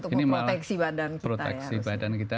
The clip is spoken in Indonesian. untuk memproteksi badan kita ya harusnya